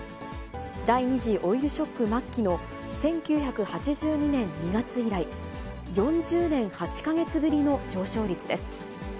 第２次オイルショック末期の１９８２年２月以来、４０年８か月ぶりの上昇率です。